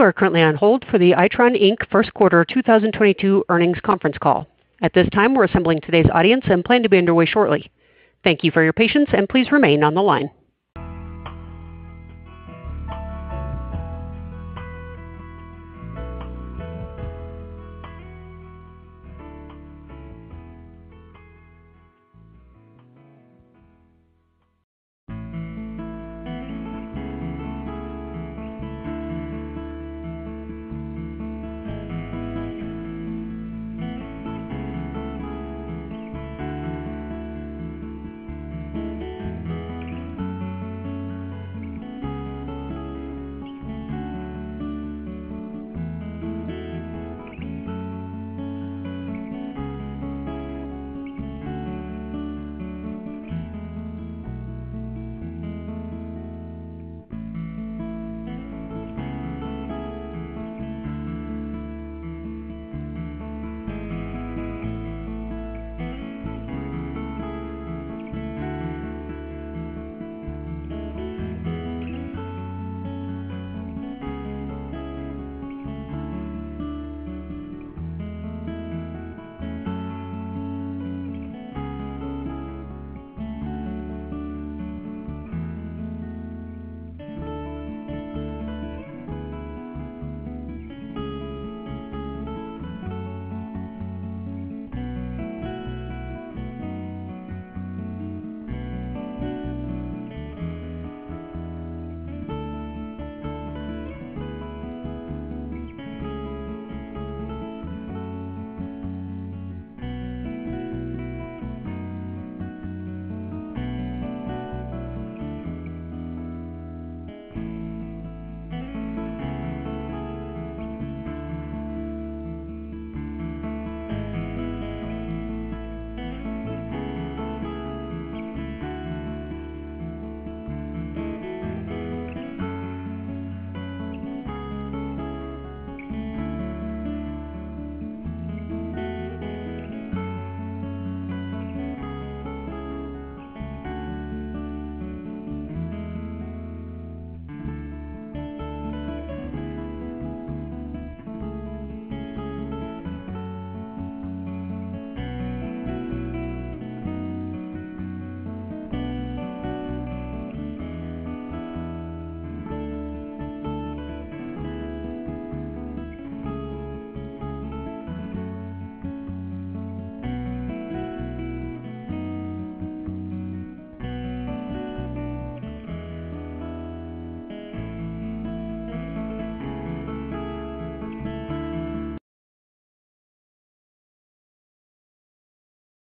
You are currently on hold for the Itron, Inc. Q1 2022 earnings conference call. At this time we're assembling today's audience and plan to be underway shortly. Thank you for your patience and please remain on the line.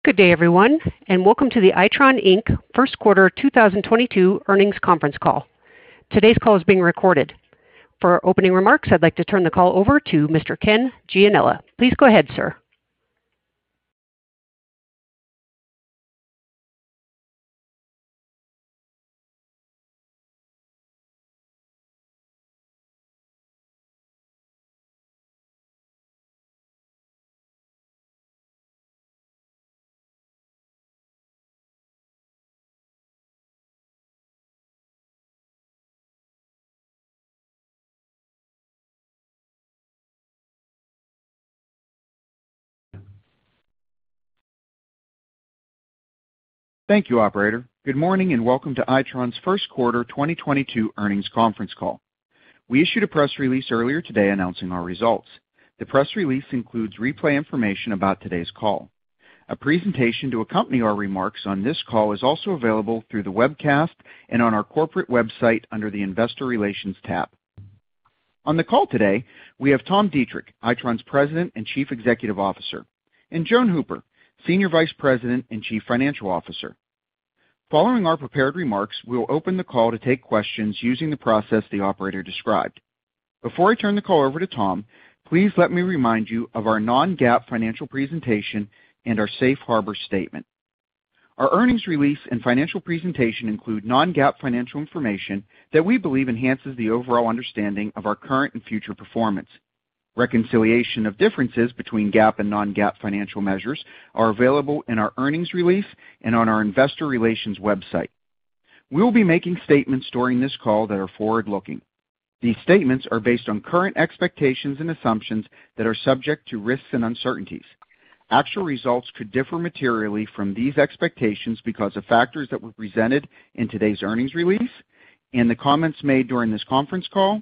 Good day, everyone, and welcome to the Itron, Inc. Q1 2022 earnings conference call. Today's call is being recorded. For opening remarks, I'd like to turn the call over to Mr. Ken Gianella. Please go ahead, sir. Thank you, operator. Good morning and welcome to Itron's Q1 2022 earnings conference call. We issued a press release earlier today announcing our results. The press release includes replay information about today's call. A presentation to accompany our remarks on this call is also available through the webcast and on our corporate website under the Investor Relations tab. On the call today, we have Tom Deitrich, Itron's President and Chief Executive Officer, and Joan Hooper, Senior Vice President and Chief Financial Officer. Following our prepared remarks, we will open the call to take questions using the process the operator described. Before I turn the call over to Tom, please let me remind you of our non-GAAP financial presentation and our safe harbour statement. Our earnings release and financial presentation include non-GAAP financial information that we believe enhances the overall understanding of our current and future performance. Reconciliation of differences between GAAP and non-GAAP financial measures are available in our earnings release and on our investor relations website. We will be making statements during this call that are forward-looking. These statements are based on current expectations and assumptions that are subject to risks and uncertainties. Actual results could differ materially from these expectations because of factors that were presented in today's earnings release and the comments made during this conference call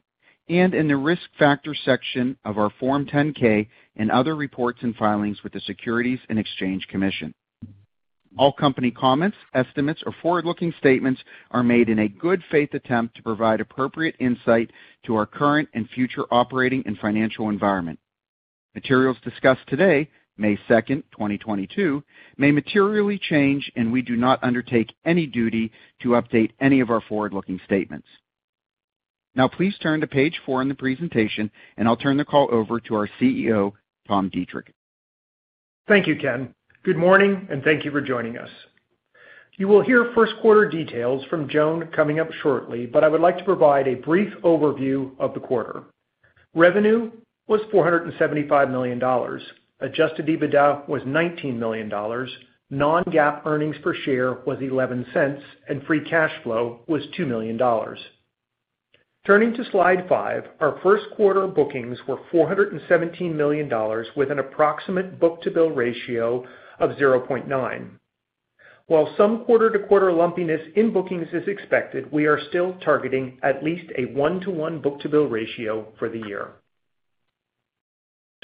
and in the Risk Factors section of our Form 10-K and other reports and filings with the Securities and Exchange Commission. All company comments, estimates or forward-looking statements are made in a good faith attempt to provide appropriate insight to our current and future operating and financial environment. Materials discussed today, May 2, 2022, may materially change, and we do not undertake any duty to update any of our forward-looking statements. Now please turn to page 4 in the presentation, and I'll turn the call over to our CEO, Tom Deitrich. Thank you, Ken. Good morning, and thank you for joining us. You will hear Q1 details from Joan coming up shortly, but I would like to provide a brief overview of the quarter. Revenue was $475 million. Adjusted EBITDA was $19 million. Non-GAAP earnings per share was $0.11, and free cash flow was $2 million. Turning to slide 5, our Q1 bookings were $417 million, with an approximate book-to-bill ratio of 0.9. While some quarter-to-quarter lumpiness in bookings is expected, we are still targeting at least a 1-to-1 book-to-bill ratio for the year.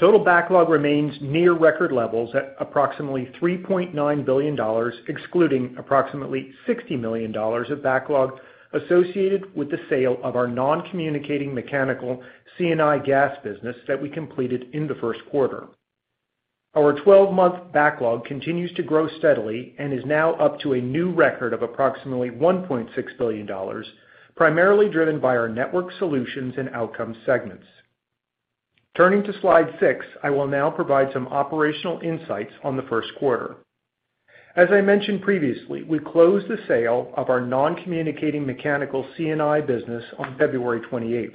Total backlog remains near record levels at approximately $3.9 billion, excluding approximately $60 million of backlog associated with the sale of our non-communicating mechanical C&I gas business that we completed in the Q1. Our 12-month backlog continues to grow steadily and is now up to a new record of approximately $1.6 billion, primarily driven by our Networked Solutions and Outcomes segments. Turning to slide 6, I will now provide some operational insights on the Q1. As I mentioned previously, we closed the sale of our non-communicating mechanical C&I business on February 28.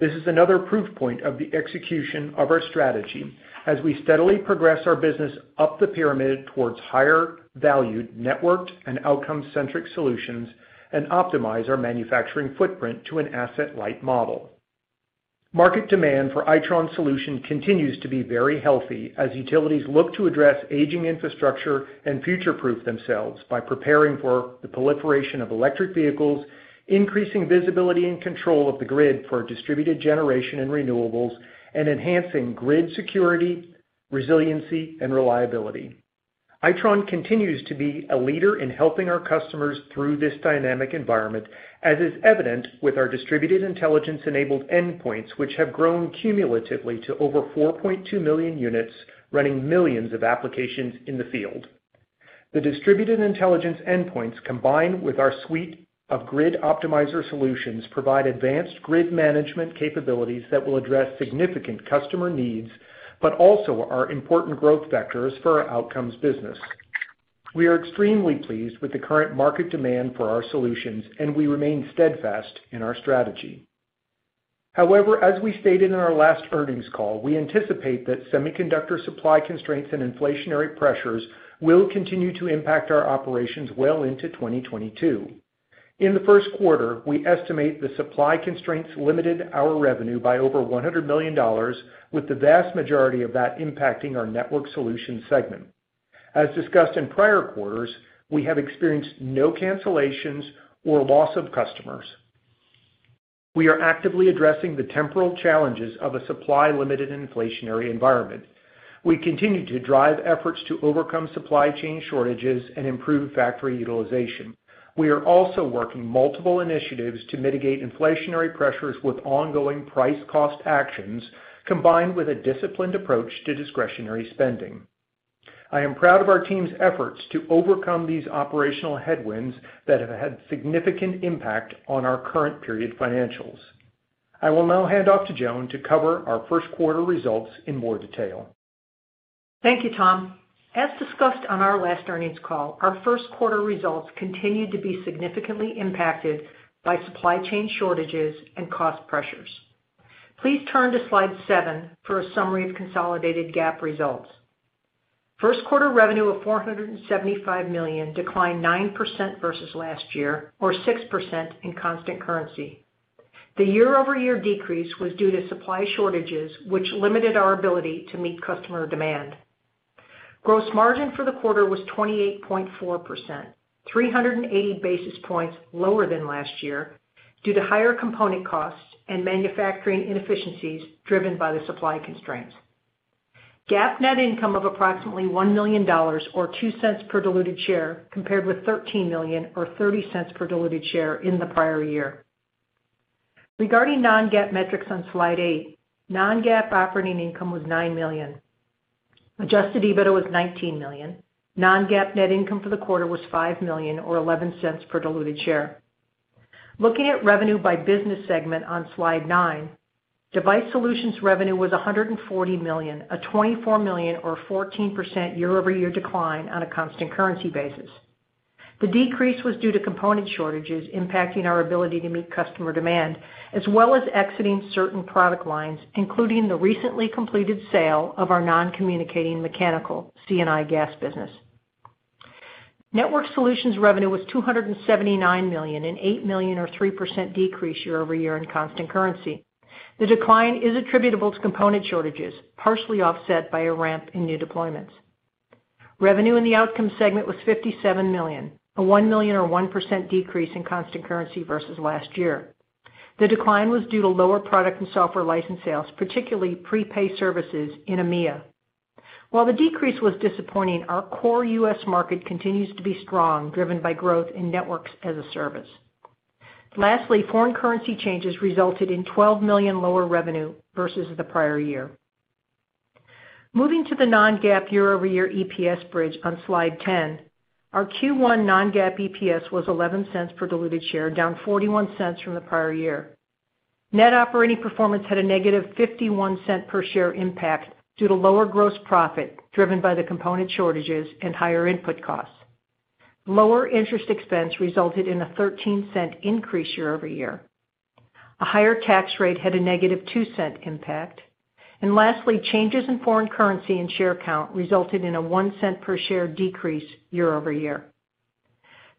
This is another proof point of the execution of our strategy as we steadily progress our business up the pyramid towards higher valued networked and outcome-centric solutions and optimize our manufacturing footprint to an asset-light model. Market demand for Itron solutions continues to be very healthy as utilities look to address aging infrastructure and future-proof themselves by preparing for the proliferation of electric vehicles, increasing visibility and control of the grid for distributed generation and renewables, and enhancing grid security, resiliency, and reliability. Itron continues to be a leader in helping our customers through this dynamic environment, as is evident with our distributed intelligence-enabled endpoints, which have grown cumulatively to over 4.2 million units, running millions of applications in the field. The distributed intelligence endpoints, combined with our suite of Grid Edge Optimizer solutions, provide advanced grid management capabilities that will address significant customer needs, but also are important growth vectors for our Outcomes business. We are extremely pleased with the current market demand for our solutions, and we remain steadfast in our strategy. However, as we stated in our last earnings call, we anticipate that semiconductor supply constraints and inflationary pressures will continue to impact our operations well into 2022. In the Q1, we estimate the supply constraints limited our revenue by over $100 million, with the vast majority of that impacting our Networked Solutions segment. As discussed in prior quarters, we have experienced no cancellations or loss of customers. We are actively addressing the temporal challenges of a supply-limited inflationary environment. We continue to drive efforts to overcome supply chain shortages and improve factory utilization. We are also working multiple initiatives to mitigate inflationary pressures with ongoing price cost actions, combined with a disciplined approach to discretionary spending. I am proud of our team's efforts to overcome these operational headwinds that have had significant impact on our current period financials. I will now hand off to Joan to cover our Q1 results in more detail. Thank you, Tom. As discussed on our last earnings call, our Q1 results continued to be significantly impacted by supply chain shortages and cost pressures. Please turn to slide 7 for a summary of consolidated GAAP results. Q1 revenue of $475 million declined 9% versus last year or 6% in constant currency. The year-over-year decrease was due to supply shortages, which limited our ability to meet customer demand. Gross margin for the quarter was 28.4%, 380 basis points lower than last year due to higher component costs and manufacturing inefficiencies driven by the supply constraints. GAAP net income of approximately $1 million or $0.02 per diluted share compared with $13 million or $0.30 per diluted share in the prior year. Regarding non-GAAP metrics on Slide 8, non-GAAP operating income was $9 million. Adjusted EBITDA was $19 million. Non-GAAP net income for the quarter was $5 million or $0.11 per diluted share. Looking at revenue by business segment on Slide 9, Device Solutions revenue was $140 million, a $24 million or 14% year-over-year decline on a constant currency basis. The decrease was due to component shortages impacting our ability to meet customer demand, as well as exiting certain product lines, including the recently completed sale of our non-communicating mechanical C&I gas business. Networked Solutions revenue was $279 million, an $8 million or 3% decrease year-over-year in constant currency. The decline is attributable to component shortages, partially offset by a ramp in new deployments. Revenue in the Outcomes segment was $57 million, a $1 million or 1% decrease in constant currency versus last year. The decline was due to lower product and software license sales, particularly prepaid services in EMEA. While the decrease was disappointing, our core U.S. market continues to be strong, driven by growth in Networks as a Service. Lastly, foreign currency changes resulted in $12 million lower revenue versus the prior year. Moving to the non-GAAP year-over-year EPS bridge on slide 10, our Q1 non-GAAP EPS was $0.11 per diluted share, down $0.41 from the prior year. Net operating performance had a negative $0.51 per share impact due to lower gross profit driven by the component shortages and higher input costs. Lower interest expense resulted in a $0.13 increase year over year. A higher tax rate had a negative $0.02 impact. Lastly, changes in foreign currency and share count resulted in a $0.01 per share decrease year-over-year.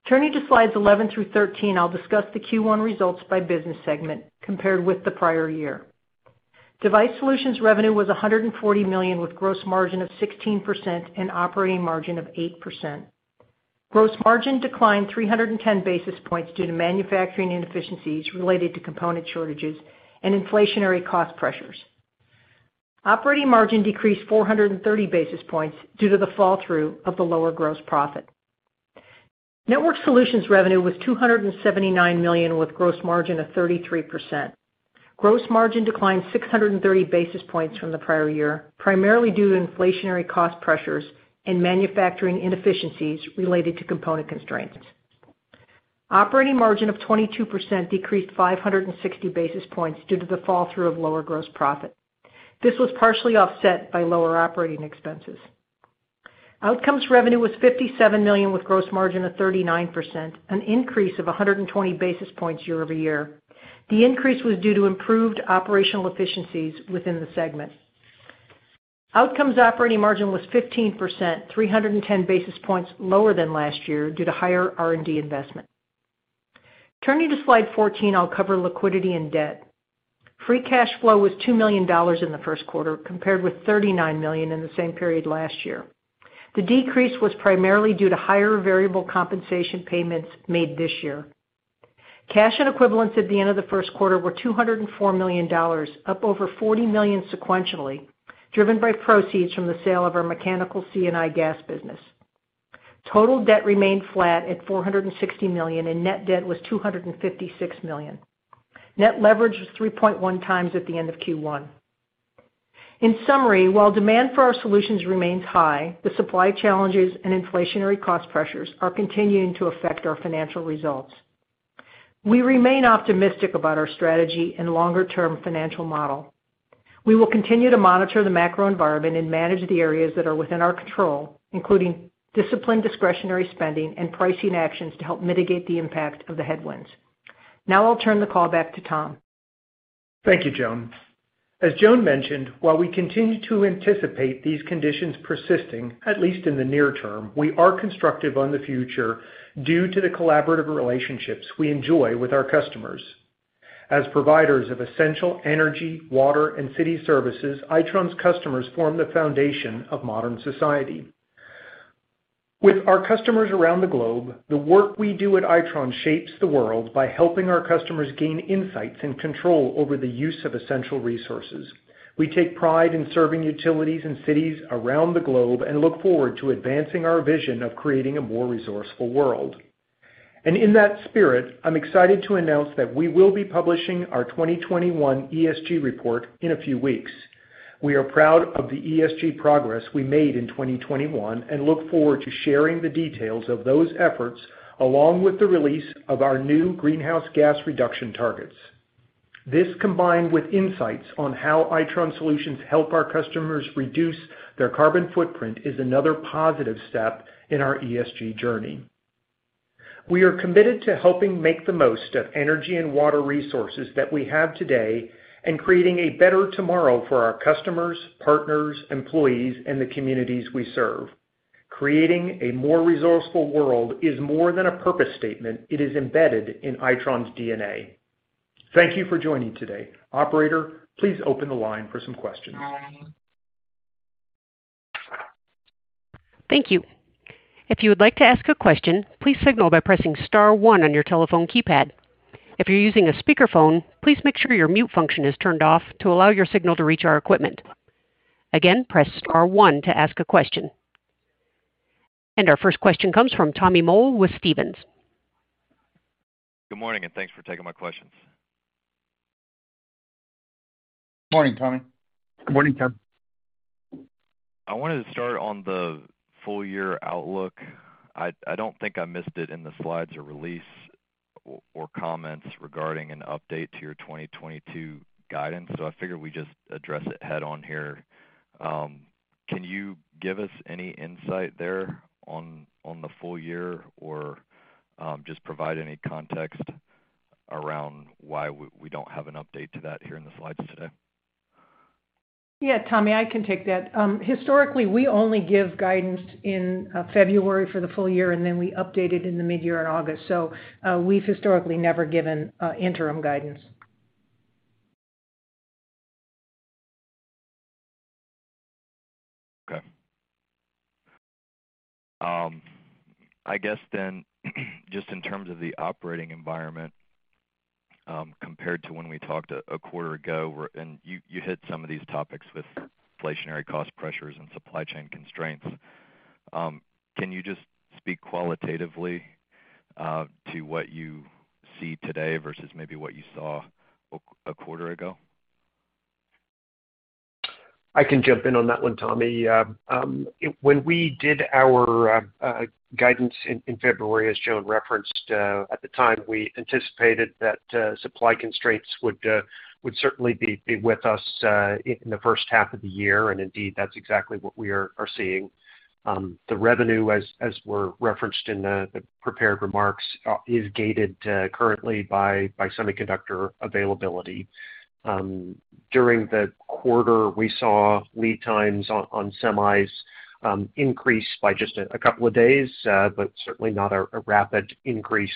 Turning to slides 11-13, I'll discuss the Q1 results by business segment compared with the prior year. Device Solutions revenue was $140 million, with gross margin of 16% and operating margin of 8%. Gross margin declined 310 basis points due to manufacturing inefficiencies related to component shortages and inflationary cost pressures. Operating margin decreased 430 basis points due to the fall through of the lower gross profit. Networked Solutions revenue was $279 million with gross margin of 33%. Gross margin declined 630 basis points from the prior year, primarily due to inflationary cost pressures and manufacturing inefficiencies related to component constraints. Operating margin of 22% decreased 560 basis points due to the fall through of lower gross profit. This was partially offset by lower operating expenses. Outcomes revenue was $57 million with gross margin of 39%, an increase of 120 basis points year-over-year. The increase was due to improved operational efficiencies within the segment. Outcomes operating margin was 15%, 310 basis points lower than last year due to higher R&D investment. Turning to slide 14, I'll cover liquidity and debt. Free cash flow was $2 million in the Q1 compared with $39 million in the same period last year. The decrease was primarily due to higher variable compensation payments made this year. Cash and equivalents at the end of the Q1 were $204 million, up over $40 million sequentially, driven by proceeds from the sale of our mechanical C&I gas business. Total debt remained flat at $460 million, and net debt was $256 million. Net leverage was 3.1 times at the end of Q1. In summary, while demand for our solutions remains high, the supply challenges and inflationary cost pressures are continuing to affect our financial results. We remain optimistic about our strategy and longer term financial model. We will continue to monitor the macro environment and manage the areas that are within our control, including disciplined discretionary spending and pricing actions to help mitigate the impact of the headwinds. Now I'll turn the call back to Tom. Thank you, Joan. As Joan mentioned, while we continue to anticipate these conditions persisting, at least in the near term, we are constructive on the future due to the collaborative relationships we enjoy with our customers. As providers of essential energy, water, and city services, Itron's customers form the foundation of modern society. With our customers around the globe, the work we do at Itron shapes the world by helping our customers gain insights and control over the use of essential resources. We take pride in serving utilities and cities around the globe and look forward to advancing our vision of creating a more resourceful world. In that spirit, I'm excited to announce that we will be publishing our 2021 ESG report in a few weeks. We are proud of the ESG progress we made in 2021 and look forward to sharing the details of those efforts, along with the release of our new greenhouse gas reduction targets. This, combined with insights on how Itron solutions help our customers reduce their carbon footprint, is another positive step in our ESG journey. We are committed to helping make the most of energy and water resources that we have today and creating a better tomorrow for our customers, partners, employees, and the communities we serve. Creating a more resourceful world is more than a purpose statement. It is embedded in Itron's DNA. Thank you for joining today. Operator, please open the line for some questions. Thank you. If you would like to ask a question, please signal by pressing star 1 on your telephone keypad. If you're using a speakerphone, please make sure your mute function is turned off to allow your signal to reach our equipment. Again, press star 1 to ask a question. Our first question comes from Tommy Moll with Stephens. Good morning, and thanks for taking my questions. Morning, Tommy. Good morning, Tom. I wanted to start on the full year outlook. I don't think I missed it in the slides or release or comments regarding an update to your 2022 guidance, so I figured we just address it head on here. Can you give us any insight there on the full year or just provide any context around why we don't have an update to that here in the slides today? Yeah, Tommy, I can take that. Historically, we only give guidance in February for the full year, and then we update it in the midyear in August. We've historically never given interim guidance. Okay. I guess then just in terms of the operating environment, compared to when we talked a quarter ago, and you hit some of these topics with inflationary cost pressures and supply chain constraints. Can you just speak qualitatively, to what you see today versus maybe what you saw a quarter ago? I can jump in on that 1, Tommy. When we did our guidance in February, as Joan referenced, at the time, we anticipated that supply constraints would certainly be with us in the H1 of the year. Indeed, that's exactly what we are seeing. The revenue, as was referenced in the prepared remarks, is gated currently by semiconductor availability. During the quarter, we saw lead times on semis increase by just a couple of days, but certainly not a rapid increase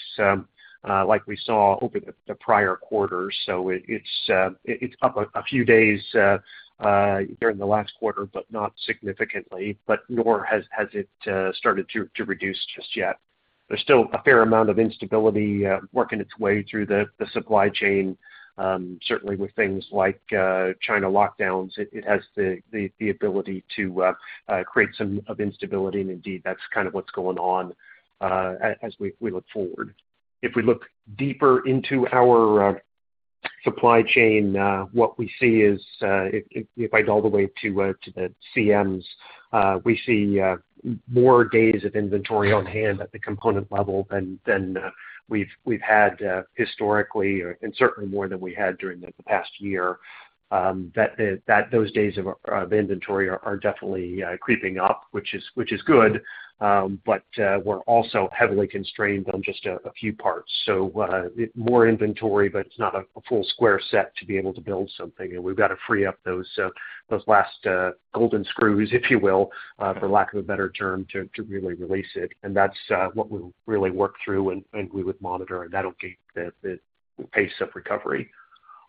like we saw over the prior quarters. It's up a few days during the last quarter, but not significantly, but nor has it started to reduce just yet. There's still a fair amount of instability working its way through the supply chain. Certainly with things like China lockdowns, it has the ability to create some instability, and indeed, that's kind of what's going on as we look forward. If we look deeper into our supply chain, what we see is if we dive all the way to the CMs, we see more days of inventory on hand at the component level than we've had historically, and certainly more than we had during the past year. Those days of inventory are definitely creeping up, which is good. We're also heavily constrained on just a few parts. More inventory, but it's not a full square set to be able to build something, and we've got to free up those last golden screws, if you will, for lack of a better term, to really release it. That's what we'll really work through, and we would monitor, and that'll gauge the pace of recovery.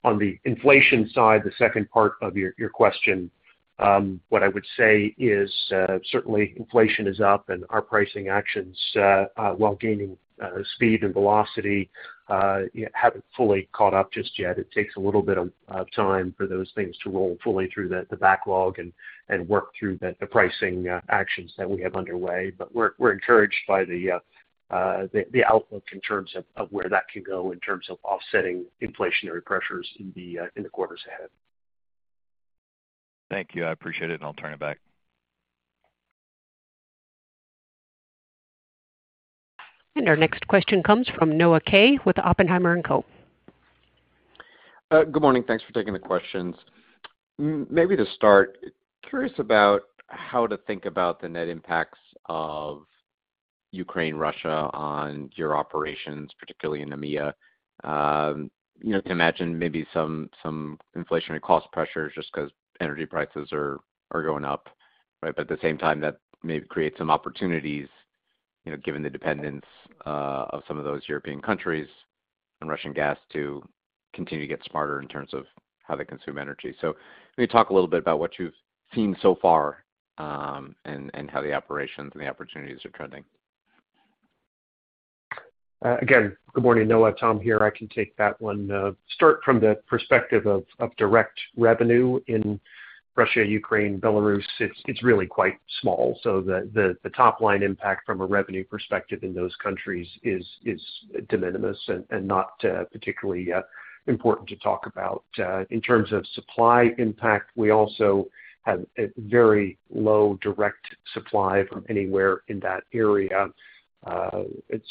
On the inflation side, the second part of your question, what I would say is, certainly inflation is up and our pricing actions, while gaining speed and velocity, yeah, haven't fully caught up just yet. It takes a little bit of time for those things to roll fully through the backlog and work through the pricing actions that we have underway. We're encouraged by the outlook in terms of where that can go in terms of offsetting inflationary pressures in the quarters ahead. Thank you. I appreciate it, and I'll turn it back. Our next question comes from Noah Kaye with Oppenheimer & Co. Good morning. Thanks for taking the questions. Maybe to start, curious about how to think about the net impacts of Ukraine-Russia on your operations, particularly in EMEA. You know, can imagine maybe some inflationary cost pressures just 'cause energy prices are going up, right? But at the same time, that may create some opportunities, you know, given the dependence of some of those European countries on Russian gas to continue to get smarter in terms of how they consume energy. Can you talk a little bit about what you've seen so far, and how the operations and the opportunities are trending? Good morning, Noah. Tom here. I can take that one. Start from the perspective of direct revenue in Russia, Ukraine, Belarus. It's really quite small. The top line impact from a revenue perspective in those countries is de minimis and not particularly important to talk about. In terms of supply impact, we also have a very low direct supply from anywhere in that area.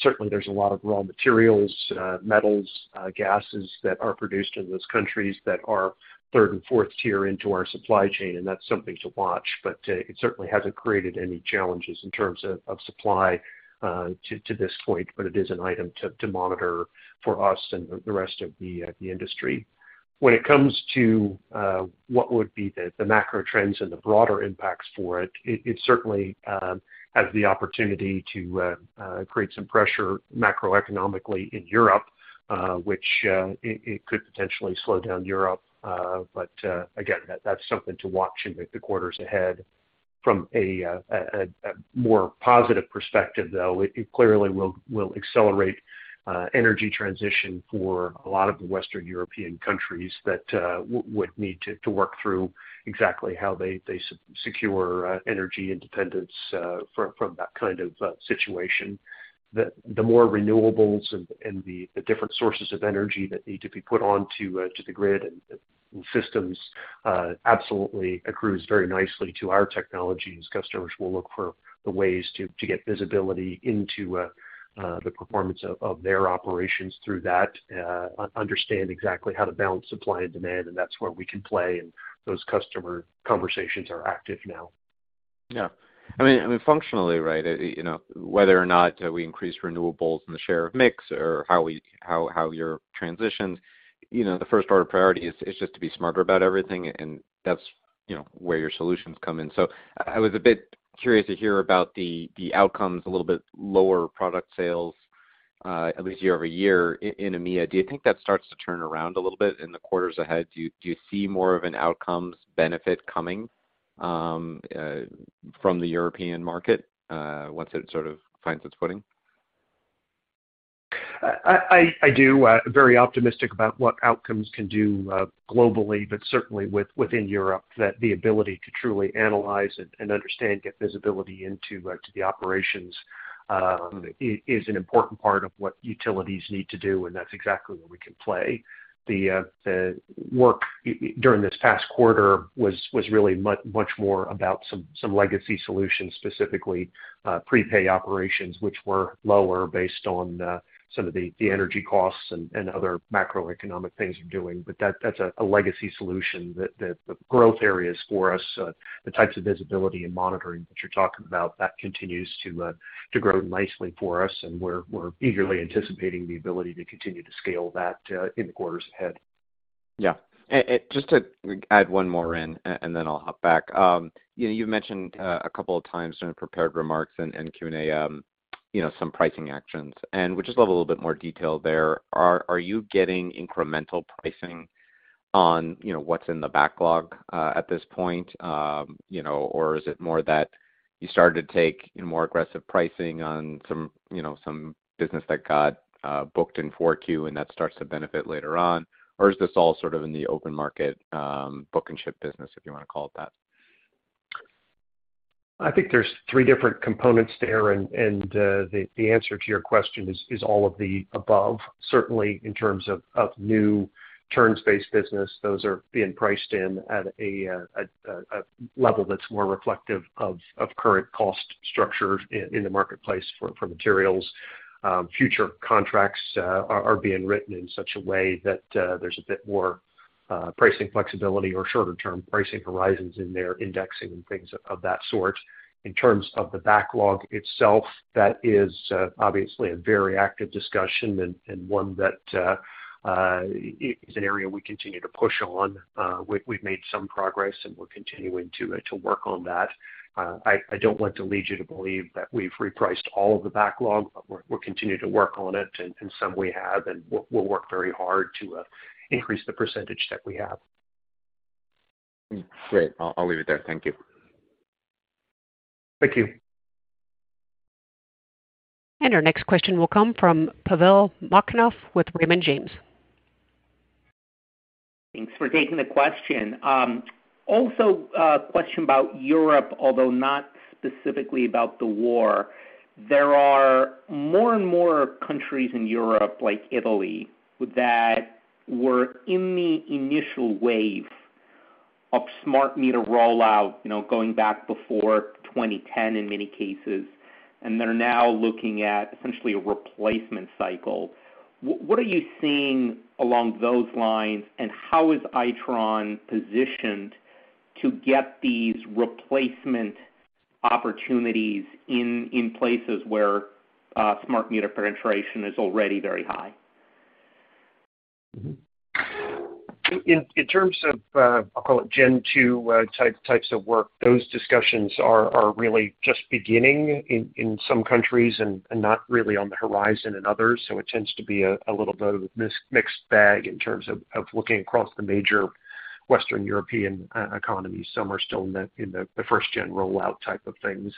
Certainly there's a lot of raw materials, metals, gases that are produced in those countries that are T3 and T4 into our supply chain, and that's something to watch. It certainly hasn't created any challenges in terms of supply to this point, but it is an item to monitor for us and the rest of the industry. When it comes to what would be the macro trends and the broader impacts for it certainly has the opportunity to create some pressure macroeconomically in Europe, which it could potentially slow down Europe. Again, that's something to watch in the quarters ahead. From a more positive perspective, though, it clearly will accelerate energy transition for a lot of the Western European countries that would need to work through exactly how they secure energy independence from that kind of situation. The more renewables and the different sources of energy that need to be put onto the grid and systems absolutely accrues very nicely to our technologies. Customers will look for the ways to get visibility into the performance of their operations through that, understand exactly how to balance supply and demand, and that's where we can play. Those customer conversations are active now. Yeah. I mean, functionally, right, you know, whether or not we increase renewables in the share of mix or how your transitions, you know, the first order of priority is just to be smarter about everything, and that's, you know, where your solutions come in. I was a bit curious to hear about the Outcomes, a little bit lower product sales, at least year over year in EMEA. Do you think that starts to turn around a little bit in the quarters ahead? Do you see more of an Outcomes benefit coming from the European market once it sort of finds its footing? I do. Very optimistic about what Outcomes can do, globally, but certainly within Europe, that the ability to truly analyze and understand, get visibility into the operations, is an important part of what utilities need to do, and that's exactly where we can play. The work during this past quarter was really much more about some legacy solutions, specifically, prepay operations, which were lower based on some of the energy costs and other macroeconomic things impacting. That's a legacy solution that the growth areas for us, the types of visibility and monitoring that you're talking about, that continues to grow nicely for us, and we're eagerly anticipating the ability to continue to scale that in the quarters ahead. Yeah. Just to add 1 more in, and then I'll hop back. You know, you've mentioned a couple of times in prepared remarks and Q&A, you know, some pricing actions. We just love a little bit more detail there. Are you getting incremental pricing on, you know, what's in the backlog at this point? You know, or is it more that you started to take more aggressive pricing on some, you know, some business that got booked in Q4 and that starts to benefit later on? Or is this all sort of in the open market, book and ship business, if you want to call it that? I think there's 3 different components there, and the answer to your question is all of the above. Certainly in terms of new terms-based business, those are being priced in at a level that's more reflective of current cost structure in the marketplace for materials. Future contracts are being written in such a way that there's a bit more pricing flexibility or shorter-term pricing horizons in their indexing and things of that sort. In terms of the backlog itself, that is obviously a very active discussion and 1 that is an area we continue to push on. We've made some progress, and we're continuing to work on that. I don't want to lead you to believe that we've repriced all of the backlog. We're continuing to work on it, and some we have, and we'll work very hard to increase the percentage that we have. Great. I'll leave it there. Thank you. Thank you. Our next question will come from Pavel Molchanov with Raymond James. Thanks for taking the question. Also a question about Europe, although not specifically about the war. There are more and more countries in Europe, like Italy, that were in the initial wave of smart meter rollout, you know, going back before 2010 in many cases, and they're now looking at essentially a replacement cycle. What are you seeing along those lines, and how is Itron positioned to get these replacement opportunities in places where smart meter penetration is already very high? In terms of, I'll call it Gen-2 types of work, those discussions are really just beginning in some countries and not really on the horizon in others. It tends to be a little bit of a mixed bag in terms of looking across the major Western European economies. Some are still in the first-gen rollout type of things.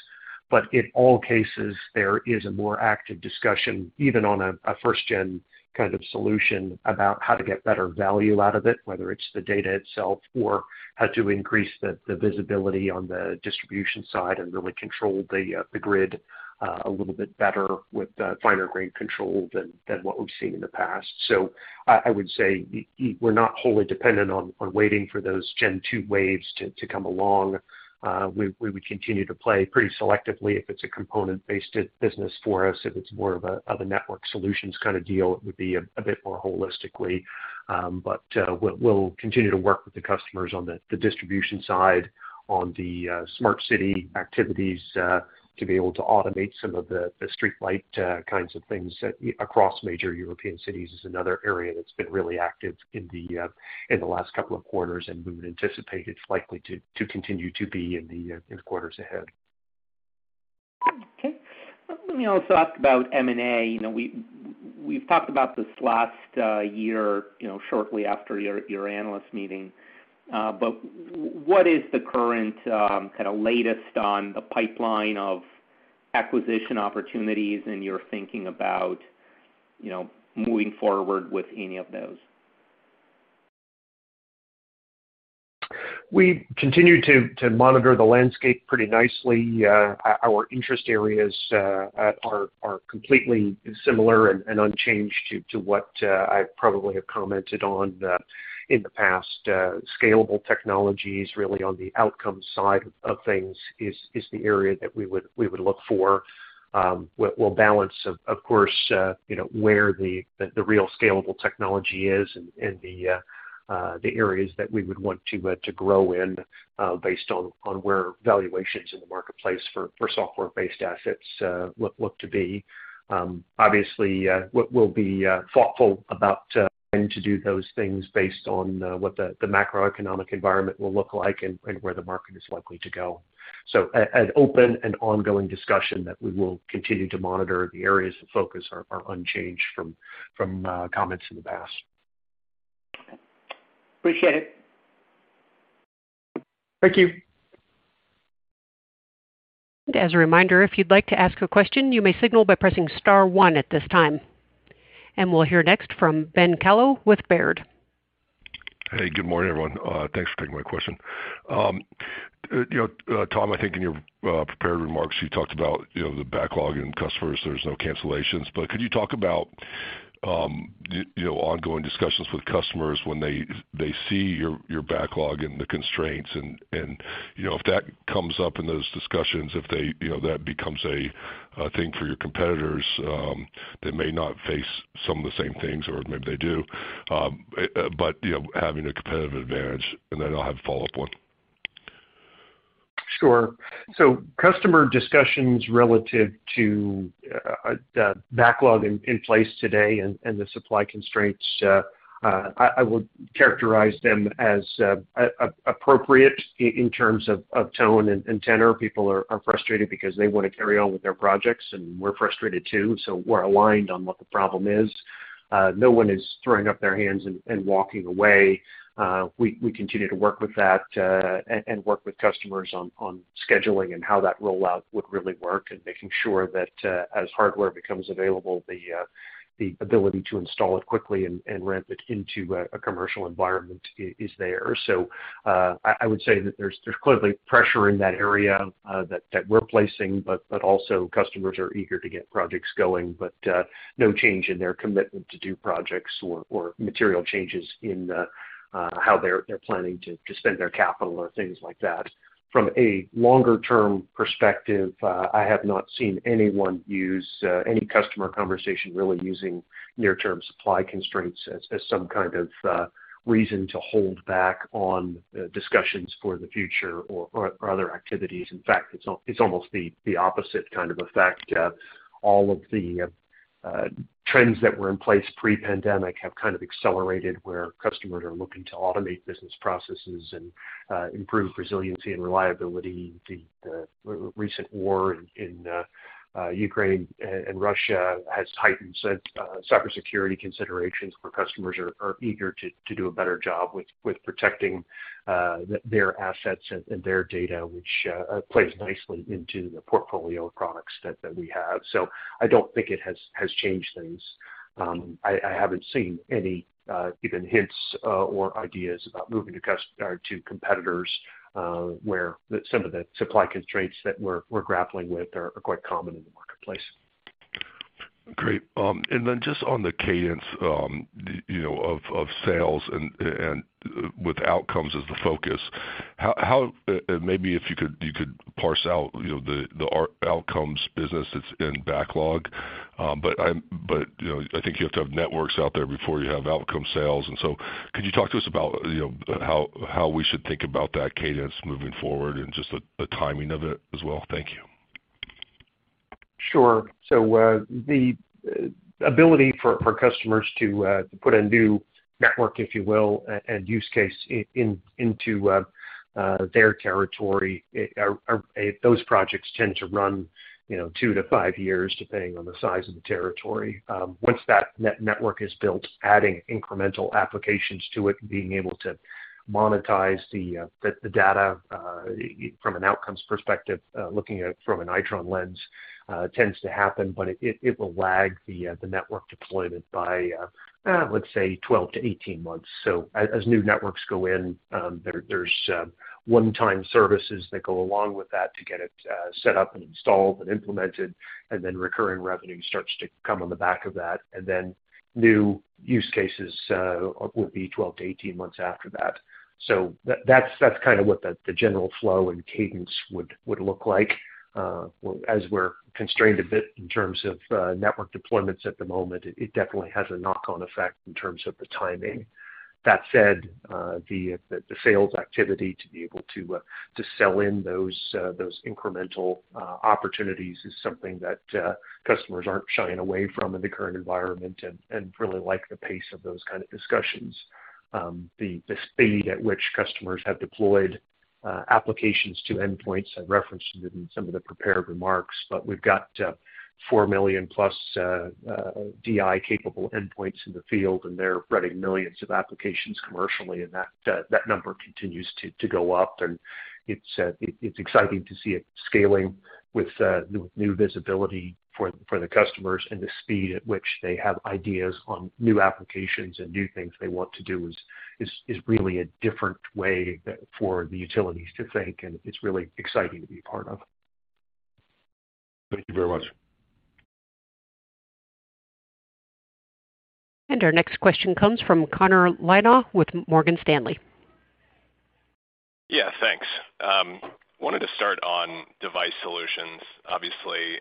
In all cases, there is a more active discussion, even on a first-gen kind of solution about how to get better value out of it, whether it's the data itself or how to increase the visibility on the distribution side and really control the grid a little bit better with finer grain control than what we've seen in the past. I would say we're not wholly dependent on waiting for those Gen 2 waves to come along. We would continue to play pretty selectively if it's a component-based business for us. If it's more of a network solutions kind of deal, it would be a bit more holistically. We'll continue to work with the customers on the distribution side, on the smart city activities, to be able to automate some of the streetlight kinds of things that across major European cities is another area that's been really active in the last couple of quarters, and we would anticipate it's likely to continue to be in the quarters ahead. Okay. Let me also ask about M&A. You know, we've talked about this last year, you know, shortly after your analyst meeting. What is the current kind of latest on the pipeline of acquisition opportunities and your thinking about, you know, moving forward with any of those? We continue to monitor the landscape pretty nicely. Our interest areas are completely similar and unchanged to what I probably have commented on in the past. Scalable technologies really on the outcome side of things is the area that we would look for. We'll balance, of course, you know, where the real scalable technology is and the areas that we would want to grow in based on where valuations in the marketplace for software-based assets look to be. Obviously, we'll be thoughtful about when to do those things based on what the macroeconomic environment will look like and where the market is likely to go. An open and ongoing discussion that we will continue to monitor. The areas of focus are unchanged from comments in the past. Appreciate it. Thank you. As a reminder, if you'd like to ask a question, you may signal by pressing star 1 at this time. We'll hear next from Ben Kallo with Baird. Hey, good morning, everyone. Thanks for taking my question. You know, Tom, I think in your prepared remarks, you talked about, you know, the backlog and customers, there's no cancellations. Could you talk about, you know, ongoing discussions with customers when they see your backlog and the constraints and, you know, if that comes up in those discussions, if they, you know, that becomes a thing for your competitors, they may not face some of the same things or maybe they do, you know, having a competitive advantage. Then I'll have a follow-up 1. Sure. Customer discussions relative to the backlog in place today and the supply constraints, I would characterize them as appropriate in terms of tone and tenor. People are frustrated because they want to carry on with their projects, and we're frustrated too. We're aligned on what the problem is. No 1 is throwing up their hands and walking away. We continue to work with that and work with customers on scheduling and how that rollout would really work and making sure that as hardware becomes available, the ability to install it quickly and ramp it into a commercial environment is there. I would say that there's clearly pressure in that area that we're placing, but also customers are eager to get projects going. No change in their commitment to do projects or material changes in how they're planning to spend their capital or things like that. From a longer-term perspective, I have not seen anyone use any customer conversation really using near-term supply constraints as some kind of reason to hold back on discussions for the future or other activities. In fact, it's almost the opposite kind of effect. All of the trends that were in place pre-pandemic have kind of accelerated where customers are looking to automate business processes and improve resiliency and reliability. The recent war in Ukraine and Russia has heightened cybersecurity considerations where customers are eager to do a better job with protecting their assets and their data, which plays nicely into the portfolio of products that we have. I don't think it has changed things. I haven't seen any even hints or ideas about moving to competitors, some of the supply constraints that we're grappling with are quite common in the marketplace. Great. Just on the cadence, you know, of sales and with Outcomes as the focus, how maybe if you could parse out, you know, the Outcomes business that's in backlog. You know, I think you have to have networks out there before you have Outcomes sales. Could you talk to us about, you know, how we should think about that cadence moving forward and just the timing of it as well? Thank you. Sure. The ability for customers to put a new network, if you will, and use case into their territory are those projects tend to run, you know, 2-5 years, depending on the size of the territory. Once that network is built, adding incremental applications to it, being able to monetize the data from an outcomes perspective, looking at it from an Itron lens, tends to happen, but it will lag the network deployment by, let's say 12-18 months. As new networks go in, there's one-time services that go along with that to get it set up and installed and implemented, and then recurring revenue starts to come on the back of that. New use cases would be 12-18 months after that. That's kind of what the general flow and cadence would look like. As we're constrained a bit in terms of network deployments at the moment, it definitely has a knock-on effect in terms of the timing. That said, the sales activity to be able to sell in those incremental opportunities is something that customers aren't shying away from in the current environment and really like the pace of those kind of discussions. The speed at which customers have deployed applications to endpoints, I referenced it in some of the prepared remarks, but we've got 4 million-plus DI-capable endpoints in the field, and they're running millions of applications commercially, and that number continues to go up. It's exciting to see it scaling with new visibility for the customers and the speed at which they have ideas on new applications and new things they want to do is really a different way for the utilities to think, and it's really exciting to be a part of. Thank you very much. Our next question comes from Connor Lynagh with Morgan Stanley. Yeah, thanks. Wanted to start on Device Solutions. Obviously,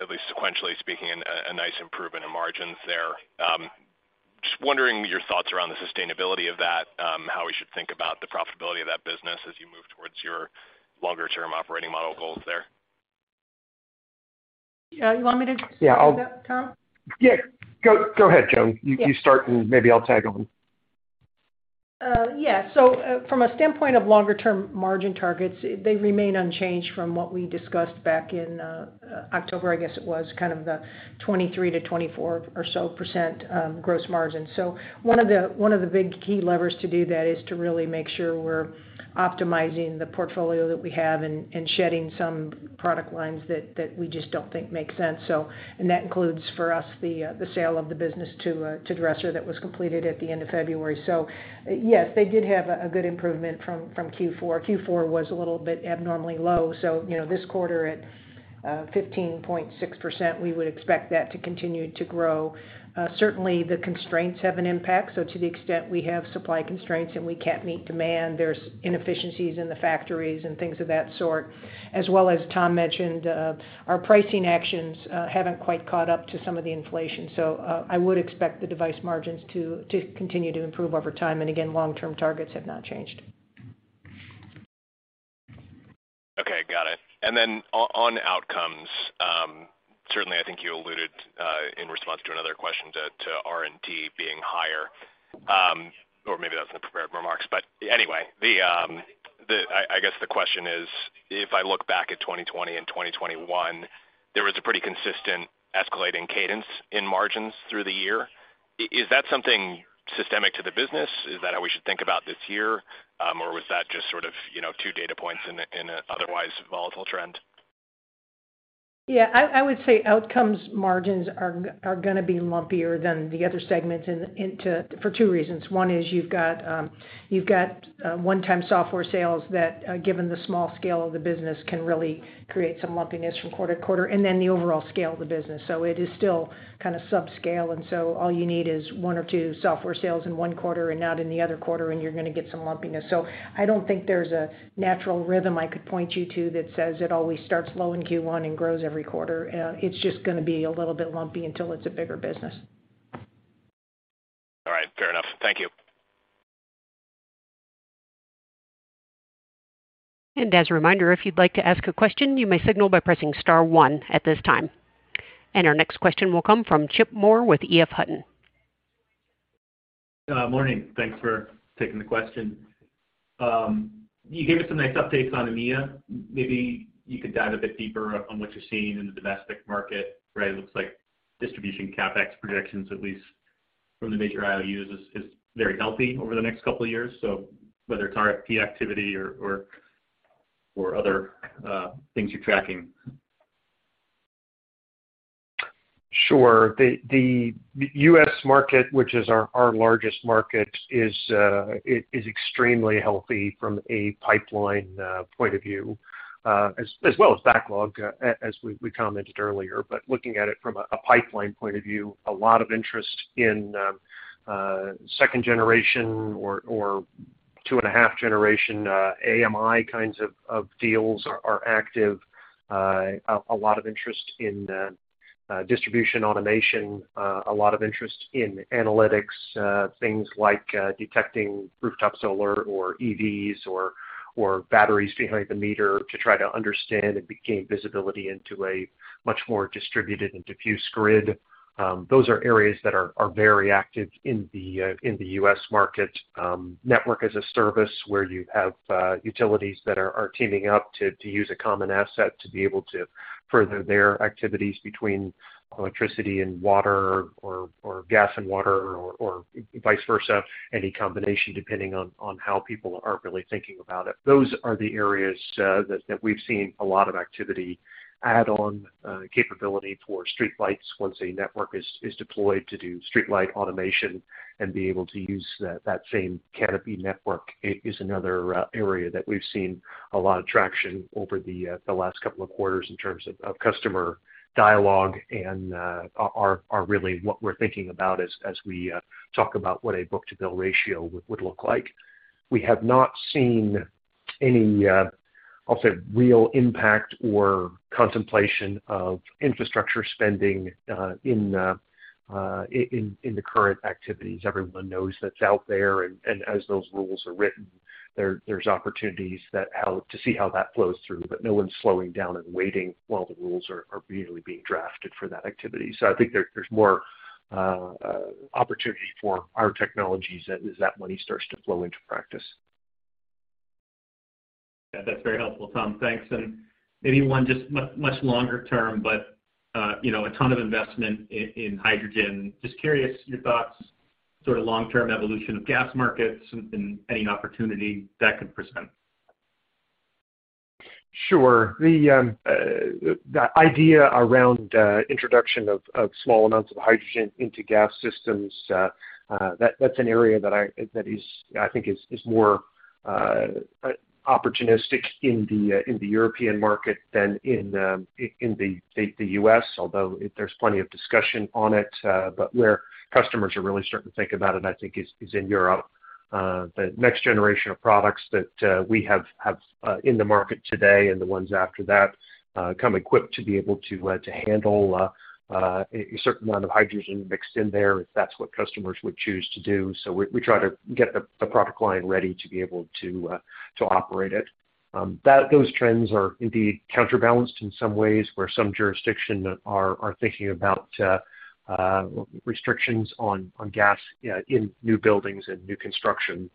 at least sequentially speaking, a nice improvement in margins there. Just wondering your thoughts around the sustainability of that, how we should think about the profitability of that business as you move towards your longer-term operating model goals there. You want me to speak to that, Tom? Yeah. Go ahead, Jo. Yeah. You start, and maybe I'll tag on. Yeah. From a standpoint of longer-term margin targets, they remain unchanged from what we discussed back in October, I guess it was, kind of the 23%-24% or so gross margin. 1 of the big key levers to do that is to really make sure we're optimizing the portfolio that we have and shedding some product lines that we just don't think make sense. That includes, for us, the sale of the business to Dresser that was completed at the end of February. Yes, they did have a good improvement from Q4. Q4 was a little bit abnormally low, so you know, this quarter at 15.6%, we would expect that to continue to grow. Certainly the constraints have an impact. To the extent we have supply constraints and we can't meet demand, there's inefficiencies in the factories and things of that sort. As well as Tom mentioned, our pricing actions haven't quite caught up to some of the inflation. I would expect the device margins to continue to improve over time. Again, long-term targets have not changed. On Outcomes, certainly I think you alluded in response to another question to R&D being higher, or maybe that's in the prepared remarks. Anyway, I guess the question is, if I look back at 2020 and 2021, there was a pretty consistent escalating cadence in margins through the year. Is that something systemic to the business? Is that how we should think about this year? Or was that just sort of, you know, 2 data points in an otherwise volatile trend? Yeah, I would say Outcomes margins are going to be lumpier than the other segments for 2 reasons. 1 is you've got one-time software sales that, given the small scale of the business, can really create some lumpiness from quarter-to-quarter, and then the overall scale of the business. It is still kind of subscale, and so all you need is 1 or 2 software sales in 1 quarter and not in the other quarter, and you're going to get some lumpiness. I don't think there's a natural rhythm I could point you to that says it always starts low in Q1 and grows every quarter. It's just going to be a little bit lumpy until it's a bigger business. All right, fair enough. Thank you. As a reminder, if you'd like to ask a question, you may signal by pressing star 1 at this time. Our next question will come from Chip Moore with EF Hutton. Morning. Thanks for taking the question. You gave us some nice updates on EMEA. Maybe you could dive a bit deeper on what you're seeing in the domestic market, right? It looks like distribution CapEx projections, at least from the major IOUs, is very healthy over the next couple of years. Whether it's RFP activity or other things you're tracking. Sure. The US market, which is our largest market, is extremely healthy from a pipeline point of view, as well as backlog, as we commented earlier. Looking at it from a pipeline point of view, a lot of interest in second generation or 2.5 generation AMI kinds of deals are active. A lot of interest in distribution automation, a lot of interest in analytics, things like detecting rooftop solar or EVs or batteries behind the meter to try to understand and gain visibility into a much more distributed and diffuse grid. Those are areas that are very active in the US market. Networks as a Service where you have utilities that are teaming up to use a common asset to be able to further their activities between electricity and water or gas and water or vice versa, any combination, depending on how people are really thinking about it. Those are the areas that we've seen a lot of activity. Add-on capability for streetlights once a network is deployed to do streetlight automation and be able to use that same canopy network is another area that we've seen a lot of traction over the last couple of quarters in terms of customer dialogue and are really what we're thinking about as we talk about what a book-to-bill ratio would look like. We have not seen any, I'll say, real impact or contemplation of infrastructure spending in the current activities. Everyone knows that's out there. As those rules are written, there's opportunities to see how that flows through. No one's slowing down and waiting while the rules are really being drafted for that activity. I think there's more opportunity for our technologies as that money starts to flow into practice. Yeah, that's very helpful, Tom. Thanks. Maybe 1 just much longer term, but, you know, a ton of investment in hydrogen. Just curious your thoughts, sort of long-term evolution of gas markets and any opportunity that could present. Sure. The idea around introduction of small amounts of hydrogen into gas systems, that's an area that is, I think, more opportunistic in the European market than in the US, although there's plenty of discussion on it. Where customers are really starting to think about it, I think is in Europe. The next generation of products that we have in the market today and the ones after that come equipped to be able to handle a certain amount of hydrogen mixed in there if that's what customers would choose to do. We try to get the product line ready to be able to operate it. Those trends are indeed counterbalanced in some ways where some jurisdictions are thinking about restrictions on gas in new buildings and new construction.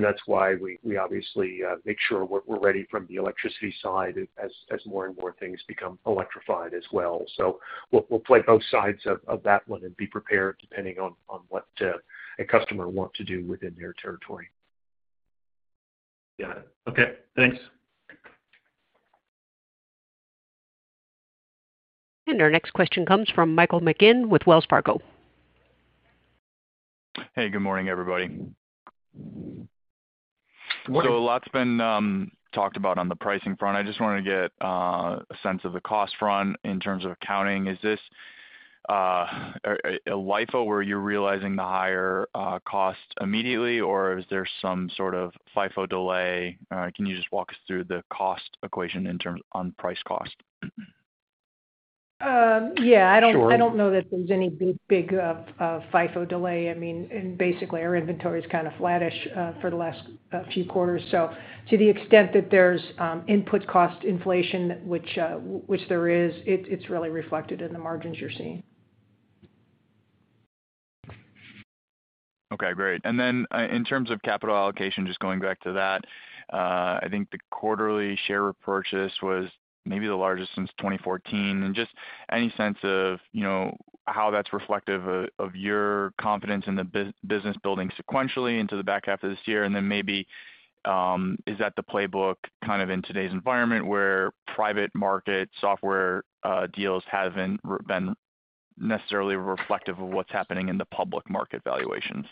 That's why we obviously make sure we're ready from the electricity side as more and more things become electrified as well. We'll play both sides of that 1 and be prepared depending on what a customer wants to do within their territory. Got it. Okay. Thanks. Our next question comes from Michael McGinn with Wells Fargo. Hey, good morning, everybody. Morning. A lot's been talked about on the pricing front. I just wanted to get a sense of the cost front in terms of accounting. Is this a LIFO where you're realizing the higher cost immediately, or is there some sort of FIFO delay? Can you just walk us through the cost equation in terms of price cost? Yeah, I don't know that there's any big FIFO delay. I mean, basically our inventory is kind of flattish for the last few quarters. To the extent that there's input cost inflation, which there is, it's really reflected in the margins you're seeing. Okay, great. In terms of capital allocation, just going back to that, I think the quarterly share repurchase was maybe the largest since 2014. Just any sense of, you know, how that's reflective of your confidence in the business building sequentially into the back half of this year? Maybe, is that the playbook kind of in today's environment where private market software deals haven't been necessarily reflective of what's happening in the public market valuations?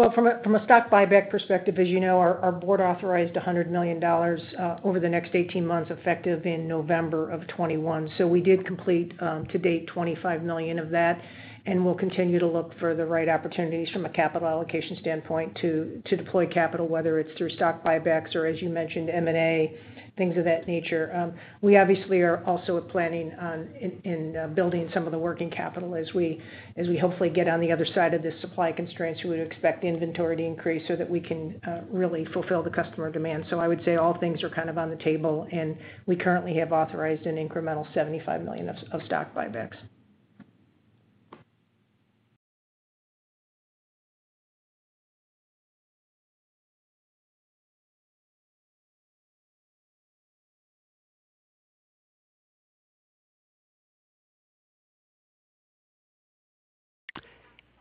Well, from a stock buyback perspective, as you know, our board authorized $100 million over the next 18 months, effective in November 2021. We did complete to date $25 million of that, and we'll continue to look for the right opportunities from a capital allocation standpoint to deploy capital, whether it's through stock buybacks or as you mentioned, M&A, things of that nature. We obviously are also planning on building some of the working capital as we hopefully get on the other side of the supply constraints. We would expect the inventory to increase so that we can really fulfill the customer demand. I would say all things are kind of on the table, and we currently have authorized an incremental $75 million of stock buybacks.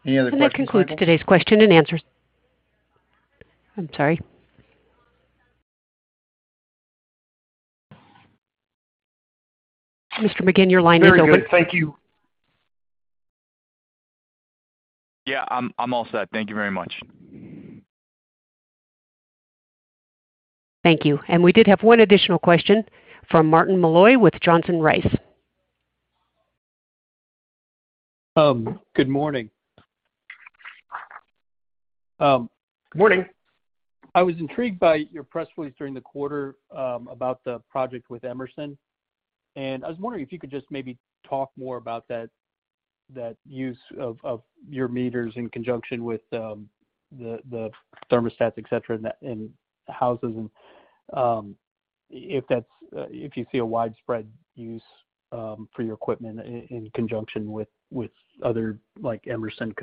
Any other questions? That concludes today's question and answers. I'm sorry. Mr. McGinn, your line is open. Very good. Thank you. Yeah. I'm all set. Thank you very much. Thank you. We did have 1 additional question from Martin Malloy with Johnson Rice. Good morning. Good morning. I was intrigued by your press release during the quarter about the project with Emerson, and I was wondering if you could just maybe talk more about that use of your meters in conjunction with the thermostats, et cetera, in houses, and if you see a widespread use for your equipment in conjunction with other like Emerson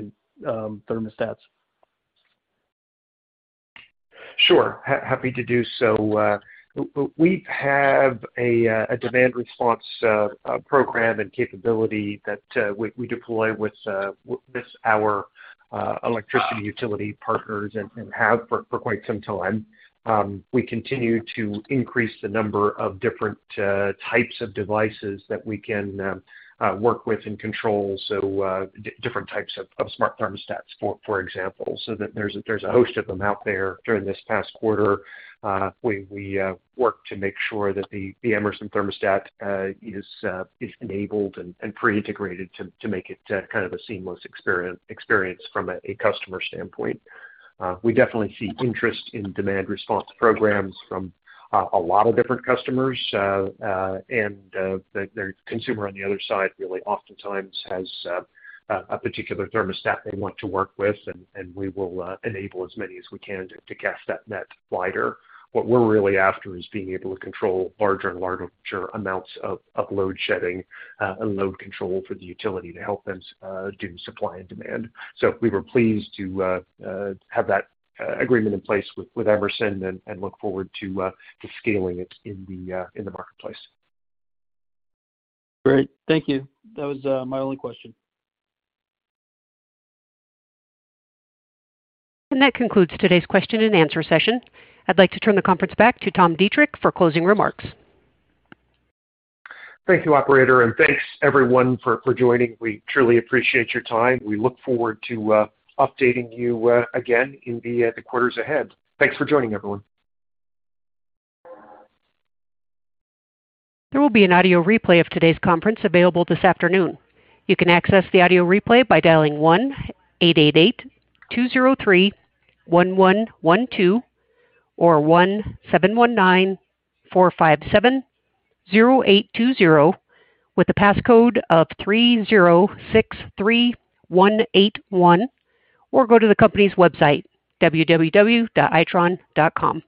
thermostats. Sure. Happy to do so. We have a demand response program and capability that we deploy with our electric utility partners and have for quite some time. We continue to increase the number of different types of devices that we can work with and control. Different types of smart thermostats, for example, so that there's a host of them out there during this past quarter. We work to make sure that the Emerson thermostat is enabled and pre-integrated to make it kind of a seamless experience from a customer standpoint. We definitely see interest in demand response programs from a lot of different customers. The consumer on the other side really oftentimes has a particular thermostat they want to work with. We will enable as many as we can to cast that net wider. What we're really after is being able to control larger and larger amounts of load shedding and load control for the utility to help them do supply and demand. We were pleased to have that agreement in place with Emerson and look forward to scaling it in the marketplace. Great. Thank you. That was my only question. That concludes today's question and answer session. I'd like to turn the conference back to Tom Deitrich for closing remarks. Thank you, operator, and thanks everyone for joining. We truly appreciate your time. We look forward to updating you again in the quarters ahead. Thanks for joining everyone. There will be an audio replay of today's conference available this afternoon. You can access the audio replay by dialing 1-888-203-1112 or 1-719-457-0820 with the passcode of 3063181, or go to the company's website www.itron.com.